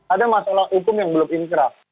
ada masalah hukum yang belum inkrah